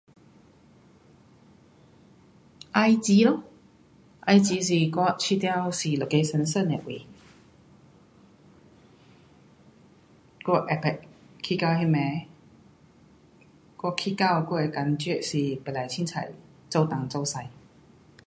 埃及咯，埃及是我觉得是一个神圣的位。我有曾去到那里。我去到过感觉是不可随便做东做西。